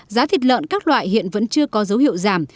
giá thịt lợn các loại hiện vẫn chưa có dấu hiệu giảm